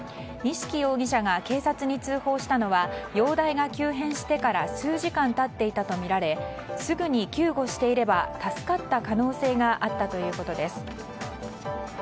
西木容疑者が警察に通報したのは容体が急変してから数時間経っていたとみられすぐに救護していれば助かった可能性があったということです。